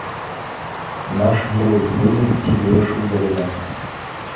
Наш герой плюнуў і вырашыў завязаць.